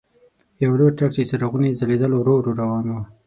یو لوی ټرک چې څراغونه یې ځلېدل ورو ورو روان و.